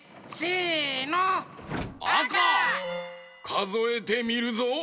かぞえてみるぞ。